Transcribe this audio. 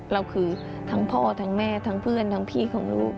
เราคือทั้งพ่อทั้งแม่ทั้งเพื่อนทั้งพี่ของลูก